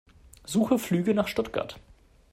Suche Flüge nach Stuttgart.